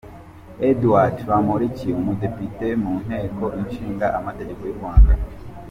Edouard Bamporiki umudepite mu Nteko ishinga amategeko y’u Rwanda.